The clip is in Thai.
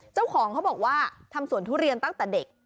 เจ้าของเขาบอกว่าทำสวนทุเรียนตั้งแต่เด็ก